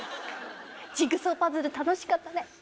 ジグソーパズル楽しかったね